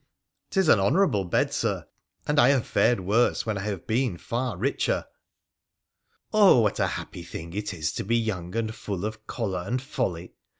' 'Tis an honourable bed, Sir, and I have fared worse when I have been far richer.' ' Oh ! what a happy thing it is to be young and full of £62 WONDERFUL ADVENTURES OF clioler and folly